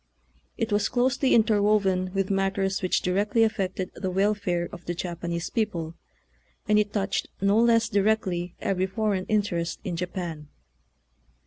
It was closely interwoven with matters which directly affected the wel fare of the Japanese people, and it touched no less directly every foreign interest in Japan.